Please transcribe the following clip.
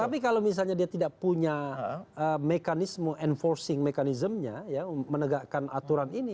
tapi kalau misalnya dia tidak punya mekanisme enforcing mekanismenya ya menegakkan aturan ini